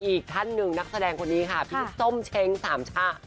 อีกท่านหนึ่งนักแสดงคนนี้ค่ะพี่ส้มเช้งสามช่า